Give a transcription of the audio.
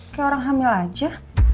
kayak orang hamil aja